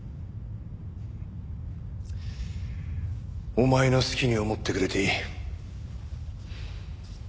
お前の好きに思ってくれていい。